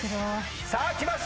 さあ来ました。